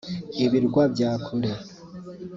ibirwa bya kure